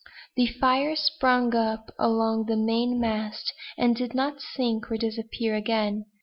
The fire sprung up along the main mast, and did not sink or disappear again.